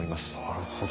なるほど。